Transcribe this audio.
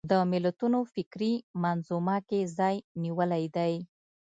د ملتونو فکري منظومه کې ځای نیولی دی